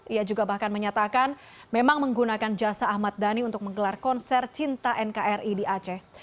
ia juga bahkan menyatakan memang menggunakan jasa ahmad dhani untuk menggelar konser cinta nkri di aceh